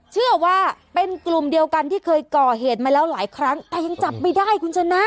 เชื่อว่าเป็นกลุ่มเดียวกันที่เคยก่อเหตุมาแล้วหลายครั้งแต่ยังจับไม่ได้คุณชนะ